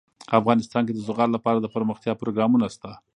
افغانستان کې د زغال لپاره دپرمختیا پروګرامونه شته.